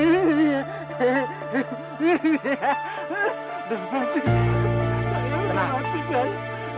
bisa dibantu polisi